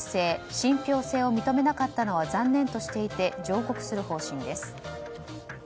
信ぴょう性を認めなかったのは残念としていて上告する方針です。